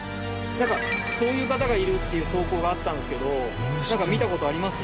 そういう方がいるっていう投稿があったんですけど見た事あります？